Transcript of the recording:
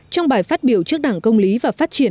trong bài phát biểu trước đảng công lý và phát triển